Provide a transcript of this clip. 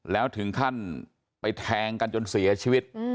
แล้วถึงขั้นไปแทงกันจนเสียชีวิต